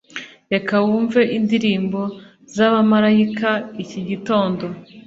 reka wumve indirimbo zabamarayika iki gitondo